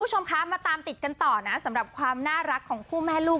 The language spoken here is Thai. คุณผู้ชมคะมาตามติดกันต่อนะสำหรับความน่ารักของคู่แม่ลูก